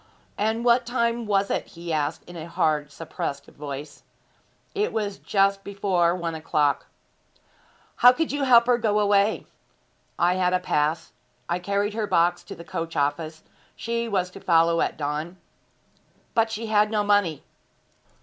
'And what time was it?' he asked in a hard, suppressed voice. 'It was just before one o'clock.' 'How could you help her to go away?' 'I had a pass. I carried her box to the coach office. She was to follow at dawn.' 'But she had no money.'